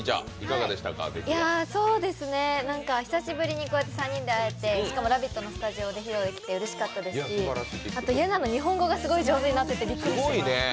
久しぶりにこうやって３人であえてしかも「ラヴィット！」のスタジオで披露できて、うれしかったですしイェナの日本語がすごく上手になっててびっくりしました。